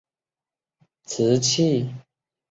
迈森瓷器是第一批在东方以外烧造的高品质的瓷器。